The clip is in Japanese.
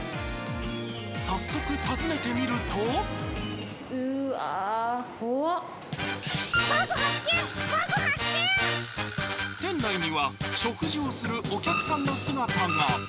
早速訪ねてみると店内には食事をするお客さんの姿が。